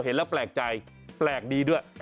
เห็นแล้วแปลกใจแปลกดีด้วย